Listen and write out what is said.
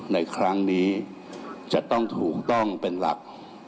ในครั้งนี้จะต้องถูกต้องเป็นหลัก